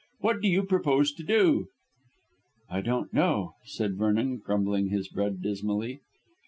What do you propose to do?" "I don't know," said Vernon, crumbling his bread dismally.